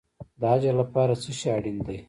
د اجر لپاره څه شی اړین دی؟